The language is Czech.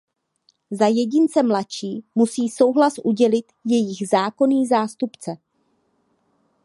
Za jedince mladší musí souhlas udělit jejich zákonný zástupce.